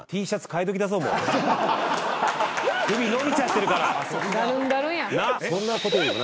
首伸びちゃってるから。